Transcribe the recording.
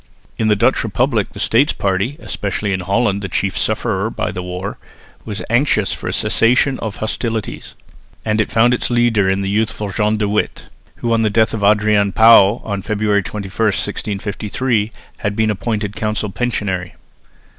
In the Dutch republic the States party, especially in Holland the chief sufferer by the war, was anxious for a cessation of hostilities; and it found its leader in the youthful John de Witt, who on the death of Adrian Pauw on February 21, 1653, had been appointed council pensionary.